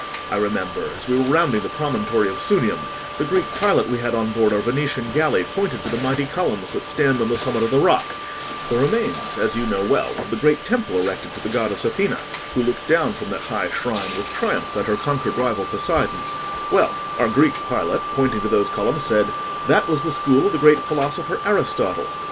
I remember, as we were rounding the promontory of Sunium, the Greek pilot we had on board our Venetian galley pointed to the mighty columns that stand on the summit of the rock—the remains, as you know well, of the great temple erected to the goddess Athena, who looked down from that high shrine with triumph at her conquered rival Poseidon;—well, our Greek pilot, pointing to those columns, said, 'That was the school of the great philosopher Aristotle.